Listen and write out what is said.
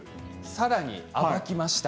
更に暴きました。